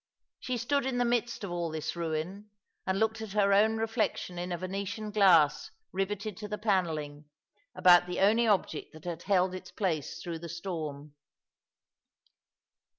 She stood in the midst of all this ruin, and looked at her own reflection in a Venetian glass riveted to the panelling, about the only object that had held its place through the storm.